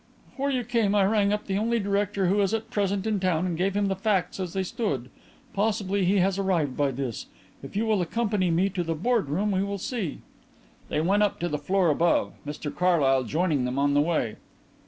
"Before you came I rang up the only director who is at present in town and gave him the facts as they then stood. Possibly he has arrived by this. If you will accompany me to the boardroom we will see." They went up to the floor above, Mr Carlyle joining them on the way.